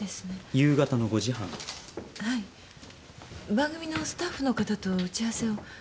番組のスタッフの方と打ち合わせを。